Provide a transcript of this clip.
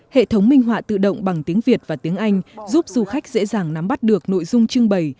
hệ thống minh họa tự động bằng tiếng việt và tiếng anh giúp du khách dễ dàng nắm bắt được nội dung trưng bày